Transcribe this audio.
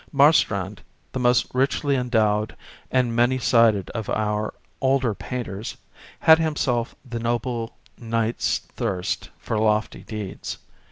Marstrand, the most richly endowed and many sided of our older painters, had himself the noble knight's thirst for lofty deeds.